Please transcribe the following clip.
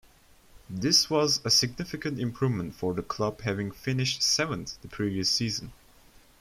This was a significant improvement for the club having finished seventh the previous season.